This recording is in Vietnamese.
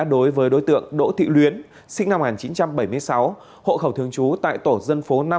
đối với đối tượng đỗ thị luyến sinh năm một nghìn chín trăm bảy mươi sáu hộ khẩu thường trú tại tổ dân phố năm